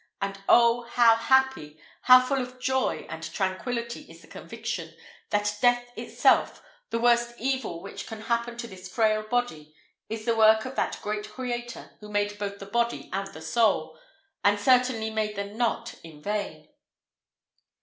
And oh! how happy, how full of joy and tranquillity is the conviction, that death itself, the worst evil which can happen to this frail body, is the work of that great Creator who made both the body and the soul, and certainly made them not in vain."